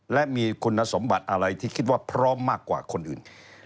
และมีคุณสมบัติอะไรที่คิดว่าพร้อมมากกว่าคนอื่น